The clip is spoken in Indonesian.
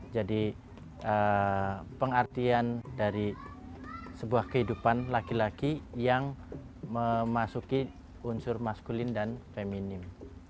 jadi pengartian dari sebuah kehidupan laki laki yang memasuki unsur maskulin dan feminim